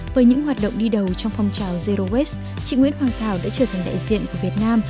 với những hoạt động đi đầu trong phong trào zero wast chị nguyễn hoàng thảo đã trở thành đại diện của việt nam